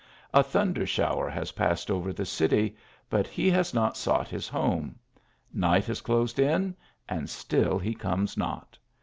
A thunder shower has passed over the city, but he has not soug ht his home ; night has closed in, and still he comes not.